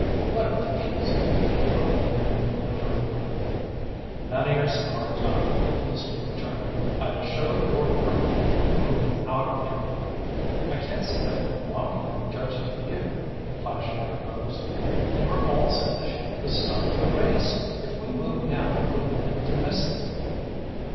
"What officials?" Doyle demanded belligerently. "None of your smart talk," the policeman returned. "Either show your permit or move out of here!" "I can't see that we're blocking the judges' view," Flash interposed. "And we're all set to shoot the start of the race. If we move now we'll likely miss it."